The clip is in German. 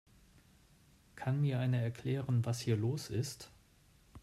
Kann mir einer erklären, was hier los ist?